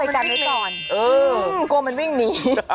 อ๋อกลัวมันวิ่งนี้